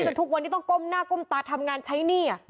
ทุกวันนี้ต้องก้มหน้าก้มตาทำงานใช้หนี้